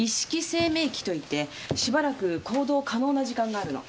清明期といってしばらく行動可能な時間があるの。